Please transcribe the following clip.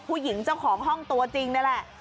ผู้หญิงเจ้าของห้องตัวจริงนี่แหละ